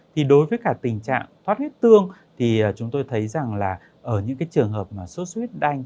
thì đối với cả tình trạng thoát huyết tương thì chúng tôi thấy rằng là ở những trường hợp mà suất huyết đanh